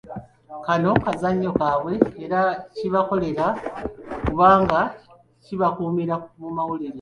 Kano kazannyo kaabwe era kibakolera kubanga kibakuumira mu mawulire.